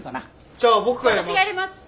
じゃあ僕がやります。